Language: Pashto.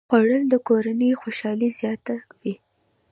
خوړل د کورنۍ خوشالي زیاته وي